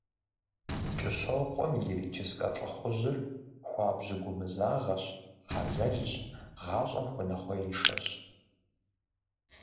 КӀыщокъуэм и лирическэ лӀыхъужьыр хуабжьу гумызагъэщ, хьэлэлщ, гъащӀэм хуэнэхъуеиншэщ.